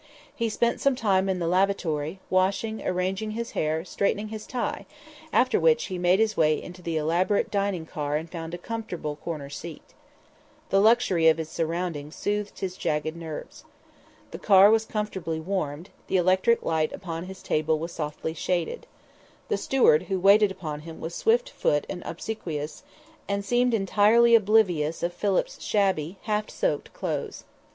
He spent some time in the lavatory, washing, arranging his hair, straightening his tie, after which he made his way into the elaborate dining car and found a comfortable corner seat. The luxury of his surroundings soothed his jagged nerves. The car was comfortably warmed, the electric light upon his table was softly shaded. The steward who waited upon him was swift footed and obsequious, and seemed entirely oblivious of Philip's shabby, half soaked clothes.